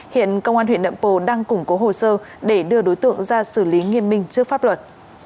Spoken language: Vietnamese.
hiện công an huyện nậm pồ đang củng cố hồ sơ để đưa đối tượng ra xử lý nghiêm minh trước pháp luật